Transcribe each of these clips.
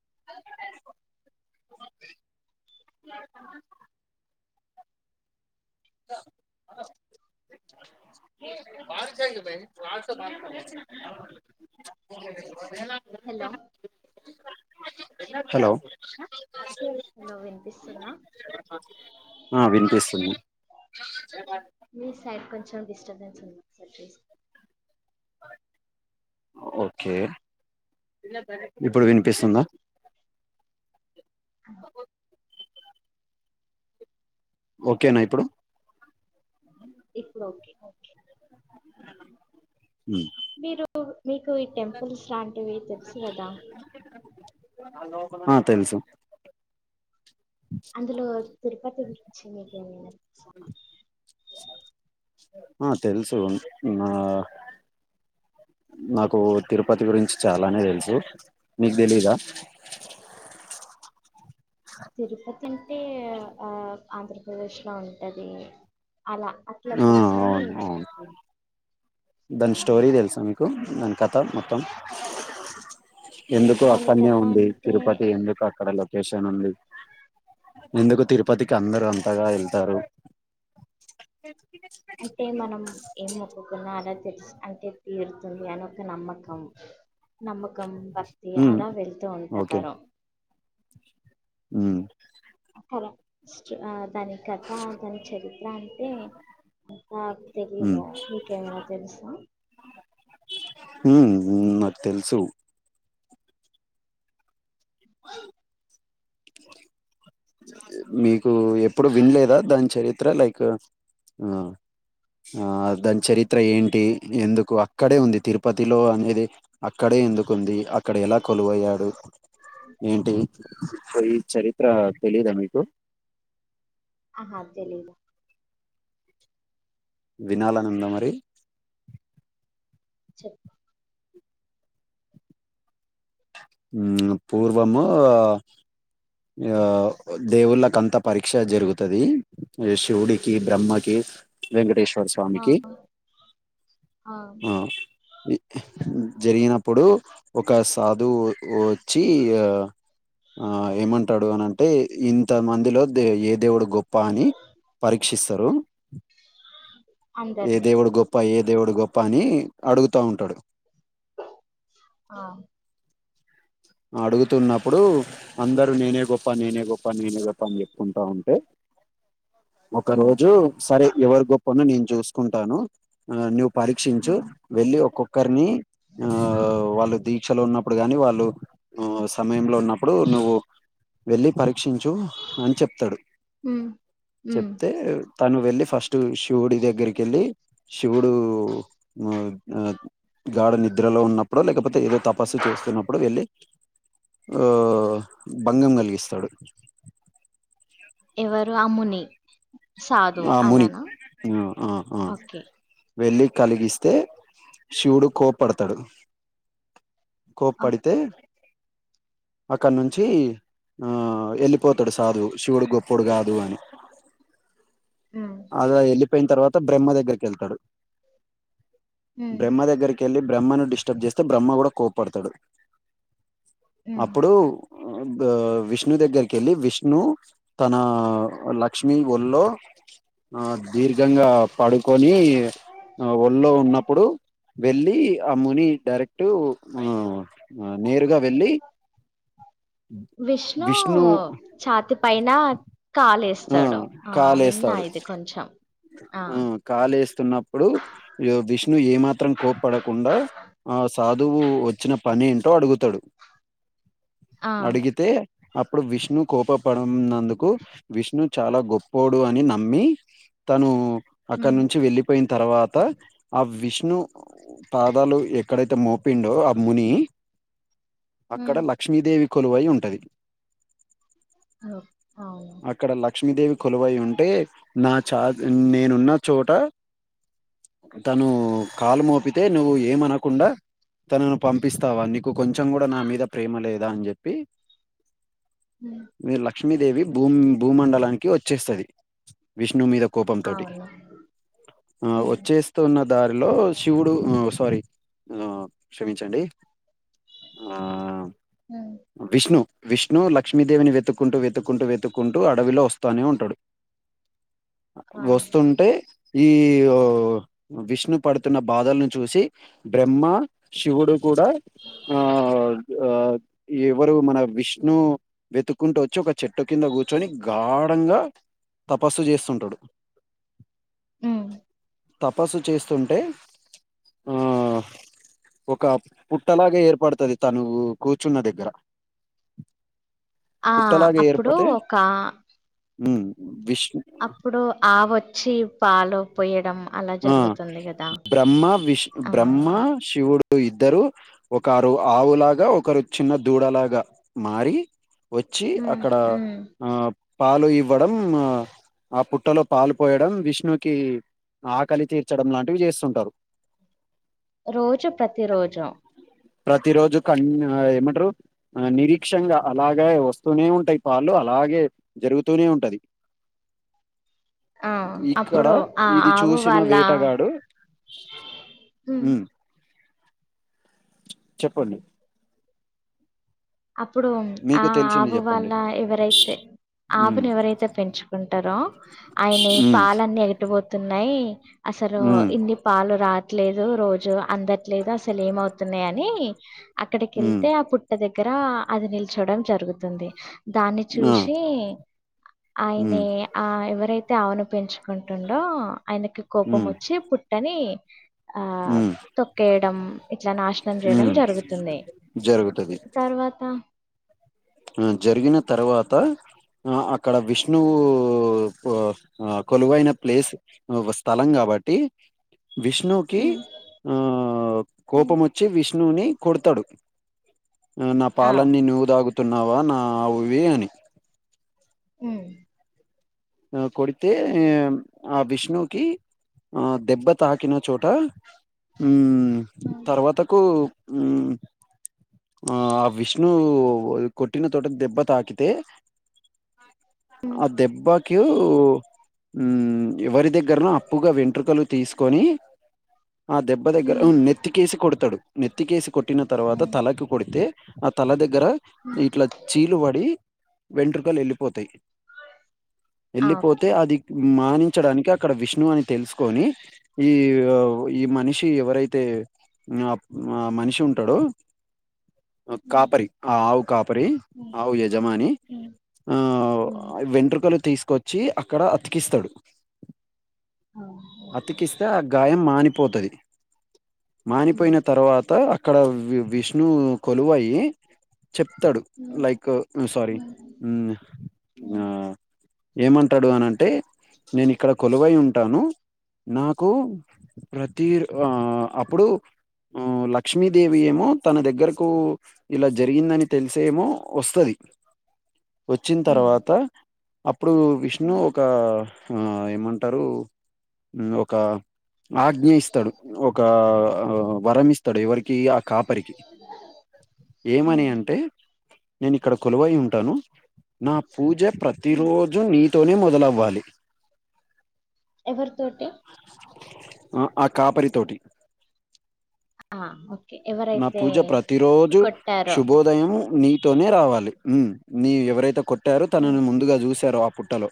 అ ఏ బ కాయిగ భయి చస బ కా హలో హలో హలో వినిపిస్తుందా ఆ వినిపిస్తుంది మీ సైడ్ కొంచెం డిస్టర్బెన్స్ ఉంది ఒకసారి చూస్ ఓకే ఇప్పుడు వినిపిస్తుందా అ ఓకేనా ఇప్పుడు ఇప్పుడు ఓకే ఓకే అ మీరు మీకు ఈ టెంపుల్స్ లాంటివి తెలుసు కదా ఆ తెలుసు అందులో తిరుపతి గురించి మీకేమైనా తెలుసా ఆ తెలుసు నా నాకు తిరుపతి గురించి చాలానే తెలుసు మీకు తెలీదా తిరుపతి అంటే ఆ ఆంధ్రప్రదేశ్లో ఉంటది అలా అట్లా ఆ తెలుసని అవును అ అవును దాని స్టోరీ తెలుసా మీకు దాని కథ మొత్తం ఎందుకు దాని అక్కనే కథ ఉంది అంటే తిరుపతి ఎందుకు అక్కడలో వేషన్ ఉంది ఎందుకు తిరుపతికి అందరు అంతగా వెళ్తారు అంటే మనం ఏం మొక్కుకున్నా అలా తె అంటే తీరుతుంది అని ఒక నమ్మకం నమ్మకం భక్తి ఉమ్ అలా వెళ్తూ ఉంటారు ఉ క్క దాని కథ దాని చరిత్ర అంటే అంత ఉమ్ తెలీదు మీకేమైనా తెలుసా హు నాకు తెల్సు మీకు ఎప్పుడు వినలేదా దాని చరిత్ర లైక్ ఆ ఆ దాని చరిత్ర ఏంటి ఎందుకు అక్కడే ఉంది తిరుపతిలో అనేది అక్కడే ఎందుకుంది అక్కడ ఎలా కొలువయ్యాడు ఏంటి కొయి చరిత్ర తెలీదా మీకు ఆహా తెలిదు వినాలనుందామరి చెప్ ఊమ్ పూర్వమూ ఇగ దేవుళ్ళకంత పరీక్ష జరుగుతది ఇగ శివుడి కీ బ్రహ్మకి ఆ వెంకటేశ్వరస్వామికి ఆ ఇ జరిగినప్పుడు ఒక సాధువు వోచ్చి ఆ ఆ ఏమంటాడు అనన్ టే ఇంత మందిలో దే ఏ దేవుడు గొప్ప అని పరీక్షిస్తారు ఏ అందరినీ దేవుడు గొప్ప ఏ దేవుడు గొప్ప అని అడుగుతా ఉంటడు ఆ అడుగుతున్నప్పుడు అందరూ నేనే గొప్ప నేనే గొప్ప నేనే గొప్ప అని చేప్పుకుంటా ఉంటే ఒక ఉమ్ రోజు సరే ఎవరు గొప్పనో నేను చూసుకుంటాను ఆ నువ్వు పరీక్షించు ఉమ్ వెళ్ళి ఒక్కొక్కరిని ఆ వాళ్ళు దీక్షలో ఉన్నప్పుడు గాని వాళ్ళు ఉ సమయంలో ఉన్నప్పుడు నువ్వు వెళ్ళి పరీక్షించూ అని చెప్తడు ఉమ్ ఉమ్ చెప్తే తను వెళ్ళి ఫస్ట్ టు శివుడి దగ్గరికెళ్ళి శివుడు మ అ గాడ నిద్రలో ఉన్నప్పుడో లేకపోతే ఏదో తపస్సు చేస్తున్నప్పుడు వెళ్ళి ఆ భంగం కలిగిస్తడు ఎవరు ఆ ముని సాధు ఆ ముని అలానా ఆ ఆ ఆ ఓకే వెళ్లి కలిగిస్తే శివుడు కోప్పడుతడు కోప్పడితే ఓకే అక్కడ నుంచి ఆ యెళ్ళిపోతడు సాధువు శివుడు గొప్పోడు గాదు అని ఉమ్ అలా యెళ్ళిపోయిన తర్వాత బ్రహ్మ దగ్గరికెళ్తడు ఉమ్ బ్రహ్మ దగ్గరి కెళ్ళి బ్రహ్మను డిస్టర్బ్ చేస్తే బ్రహ్మ కూడా కోప్పడుతడు ఉమ్ అప్పుడు ఆ బా విష్ణు దగ్గరికెళ్ళి విష్ణు తన లక్ష్మి ఒళ్ళో ఆ దీర్ఘంగా పడుకొనీ అ ఒళ్ళో ఉన్నప్పుడు వెళ్ళి ఆ ముని డైరెక్ట్ ఆ అ నేరుగా వెళ్ళి విష్ణు ఛాతి పైన ఆ కాలేస్తాడు ఆ విన్నా ఇది కొంచెం ఆ ఉమ్మ్ కాలేస్తున్నప్పుడు ఇగొ విష్ణు ఏమాత్రం కోప్పడకుండా ఆ సాధువు ఒచ్చిన పనేంటో అడుగుతడు బ్లాంక్ అడిగితే అప్పుడు విష్ణు కోప పడనందుకు విష్ణు చాలా గొప్పోడు అని నమ్మి తను అక్కడ ఉమ్ నుంచి వెళ్ళిపోయిన తర్వాత ఆ విష్ణు పాదాలు ఎక్కడైతే మోపిండో ఆ ముని అక్కడ ఉమ్ లక్ష్మీదేవి కొలువై ఉంటది ఓ అవును అక్కడ లక్ష్మీదేవి కొలువై ఉంటే నా చా నేనున్న చోట తను కాలుమోపితే నువ్వు ఏమనకుండా తనను పంపిస్తావా నీక్ కు కొంచెం గూడా నా మీద ప్రేమ లేదా అని చేప్పి ఉమ్మ్ మీ లక్ష్మీదేవి భూమ్ భూమండలానికి ఒచ్చేస్తది విష్ణు మీద కోపం తోటి అవును ఆ ఉమ్ వచ్చేసి. తున్న దారిలో శివుడు ఆ సారీ ఆ క్షమించండి. ఆ. ఉమ్ విష్ణు విష్ణు లక్ష్మి దేవిని వెతుక్కుంటూ వెతుక్కుంటూ వెతు. వెతుక్కుంటూ అడవిలో వస్తనే ఉంటాడు ఆ వస్తుంటే. ఈ విష్ణు పడుతున్నా బాధలను చూసి బ్రహ్మ. శివుడు కూడా ఆ ఆ. ఎవరు మన విష్ణు వెతుక్కుంటూ వచ్చి ఒక చెట్టు కింద కూర్చొని గాడంగా తపస్సు చేస్తుంటడు హ్మ్ తపస్సు చేస్తుంటే ఆ. ఆ ఒక పుట్టలాగ ఏర్పడుతాది తను కూర్చున్న దగ్గర ఆ అప్పుడు ఒక హ్మ్ విష్ణు అప్పుడు ఆవు వచ్చి పాలు పోయ్యడం అలా ఆ జరుగుతుంది కదా బ్రహ్మ విష్ ఆ బ్రహ్మ శివుడు ఇద్దరు ఒకరు ఆవులాగా ఒకరు చిన్న దూడలాగా మారి వచ్చి ఉమ్ అక్కడ ఉమ్ ఆ పాలు ఇవ్వడం ఆ పుట్టలో పాలు పోయడం విష్ణుకి ఆకలి తీర్చడం లాంటివి చేస్తుంటరు రోజు ప్రతి రోజు ప్రతి రోజు కన్ ఏమంటరు ఆ నిరీక్షంగా అలాగే వస్తూనే ఉంటయి పాలు అలాగే జరుగుతూనే ఉంటాది చూ. ఆ ఇక్కడ అప్పుడు ఆ ఇది ఆవు చూసిన వాళ్ళ వేటగాడు హ్మ్ ఉమ్ చెప్పండి అప్పుడు మీకు ఆ తెలిసింది ఆవు చెప్పండి వాళ్ళ ఎవరైతే ఉమ్ ఆవును ఎవరైతే పెంచుకుంటరో ఆయన ఈ ఉమ్ పాలన్నీ ఎటు పోతున్నాయి అసలు ఉమ్ ఇన్ని పాలు రా ట్లేదు రోజు అందట్లేదు అసలు ఏమవుతున్నాయి అని అక్కడికి ఉమ్ వెళ్తే ఆ పుట్ట దగ్ దగ్గర అది నిల్చోడం జరుగుతుంది దాన్ని ఆ చూసి ఉమ్ ఆయనే ఆ ఎవరైతే ఆవును పెంచుకుంటుండో ఆయనకి కోపం ఉమ్ వచ్చి పు పుట్టని ఆ తొక్కేయడం ఇట్లా నాశనం చేయడం హ్మ్ జరుగుతుంది జరుగుతది తర్వాత ఆ జరిగిన తర్వాత ఆ అక్కడ విష్ణువు కొ ఆ కొలువైన ప్లేస్ ఒక స్థలం కాబట్టి విష్ణు కి ఉ ఆ కోపం వచ్చి విష్ణువుని కొడుతాడు నా ఆ పాలన్నీ నువ్వు తాగుతున్నావా నా ఆవువి అని హ్మ్ ఆ కొడితే ఆ విష్ణువుకి ఆ దెబ్బ తాకినా చోట హ్మ్ తర్వాతకు హ్మ్ ఆ విష్ణువు కొట్టిన తోట దెబ్బ తాకితే ఉమ్ ఆ దెబ్బ కు హ్మ్ ఎవరి దగ్గరనో అప్పుగా వెంట్రుకలు తీస్ కొని ఆ దెబ్బ దగ్గర నెత్తికేసి కొడుతడు నెత్తికేసి కొట్టిన తర్వాత తలకి కొడితే ఆ తల దగ్గర ఇ చీలు పడి వెంట్రుకలు వెళ్ళిపోతాయి ఆ వెళ్ళిపోతే ఓకే అది మానించడానికి అక్కడ విష్ణు అని తెలుసుకొని ఈ ఈ మనిషి ఎవరైతే ఆ ఆ మనిషి ఉంటడో ఉమ్ కాపరి ఆ ఆవు కాపరి ఆవు యజమాని ఉమ్ ఆ ఉమ్ వె పల తీసుకొచ్చి అక్కడ అతికిస్తాడు అతికిస్తే అ గాయం మానిపోతది మానిపోయిన తర్వాత అక్కడ విష్ణు కొలువయి చెప్తాడు లైక్ సారీ హుమ్ ఆ ఏమంటాడు అనంటే నేను ఇక్కడ కొలువై ఉంటాను నాకు ప్రతి ఆ అప్పుడు లక్ష్మీదేవి ఏమో తన దగ్గరకు ఇలా జరిగిందని తెలిసేమో వస్తది వచ్చిన తర్వాత ఉమ్ అప్పుడు విష్ణు ఒక ఆ ఏమంటారు ఒక ఆజ్ఞ ఇస్తాడు ఒక వరమిస్త ఇత్తడు ఎవరికి ఆ కాపరికి ఏమని అంటే నేను ఇక్కడ కొలువై ఉంటాను నా పూజ ప్రతిరోజు నీతోనే మొదలవ్వాలి ఎవరి తోటి ఆ ఆ కాపరి తోటి అ ఆ ఓ నా పూజ ప్రతి రోజు కొట్టారో శుభోదయం నీ తోనే రావాలి హుమ్ నీ ఎవరైతే కొట్టారో తనని ముందుగా చూశారో ఆ పుట్టలో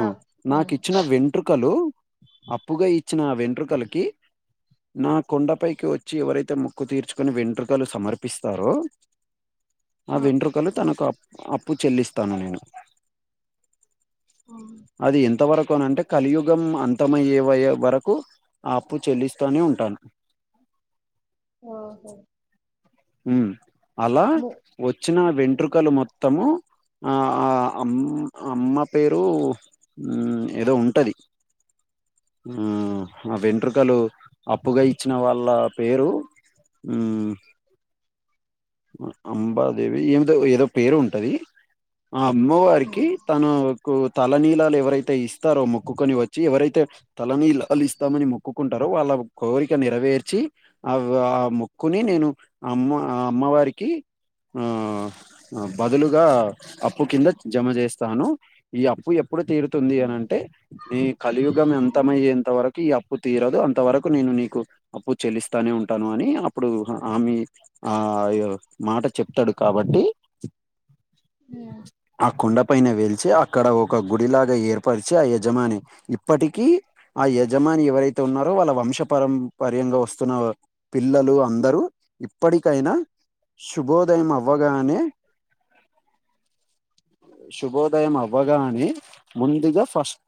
ఉ ఆ నాకు ఇచ్చిన వెంట్రుకలు అప్పుగా ఇచ్చిన ఆ వెంట్రుకలకి నా కొండపైకి వ చ్చి ఎవరైతే మోక్కు తీర్చుకుని వెంట్రుకలు సమర్పిస్తారో ఆ ఉమ్ వెంట్రుకలు తనకు అప్పు చెల్లిస్తాను నేను అది ఎంత వరకు అని అంటే కలియుగం అంతమయ్యే వయ్యే వరకు అప్పు చెల్లిస్తానే ఉంటాను ఆ ఓహో ఉ అలా ము- వచ్చిన వెంట్రుకలు మొత్తము ఆ ఆ అమ్ అమ్మ పేరు ఏదో ఉంటది ఉమ్ ఆ వెంట్రు కలు అప్పుగా ఇచ్చిన వాళ్ళ పేరు ఉ అంబాదేవి ఏమిదో ఏదో పేరు ఉంటది ఆ అమ్మవారికి తను తలనీలాలు ఎవరైతే ఇస్తారో మొక్కుకని వచ్చి ఎవరైతే తలనీలాళ్ళు ఇస్తామని మొక్కుకుంటారు వాళ్ళ కోరిక నెరవేర్చి ఆ ఆ మో క్కుని నేను ఆ అమ్మ ఆ అమ్మవారికి ఆ ఆ బదులుగా అప్పు కింద జమ చేస్తాను ఈ అప్పు ఎప్పుడు తీరు తుంది అని అంటే నీ కలియుగం అంతము ఉమ్ అయ్యేంత వరకు ఈ అ అప్పు తీరదు అంత వరకు నేను నీకు అప్పు చెల్లిస్తానే ఉంటాను అని అప్పుడు హామీ ఆ అయ్యో మాట చెప్తాడు కాబట్టి యా ఆ కుండ పైన వెలిచి అక్కడ ఒక గుడిలాగా ఏర్పరిచి ఆ యజమాని ఇప్పటికీ ఆ యజమాని ఎవరైతే ఉన్నారో వాళ్ళ వంశపారం పర్యంగా వస్తున్న పిల్లలు అందరూ ఇప్పటికి కైనా శుభోదయం అవ్వగానే శుభోదయం అవ్వగానే ముందుగా ఫస్ట్